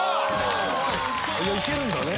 いけるんだね。